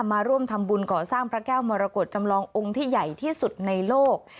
มาร่วมทำบุญก่อสร้างพระแก้วมรกฏจำลององค์ที่ใหญ่ที่สุดในโลก